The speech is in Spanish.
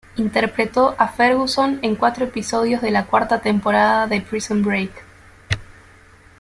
Interpretó a Ferguson en cuatro episodios de la cuarta temporada de "Prison Break".